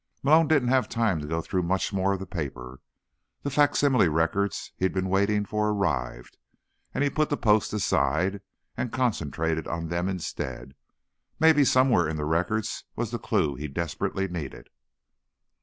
Malone didn't have time to go through much more of the paper; the facsimile records he'd been waiting for arrived, and he put the Post aside and concentrated on them instead. Maybe somewhere in the records was the clue he desperately needed.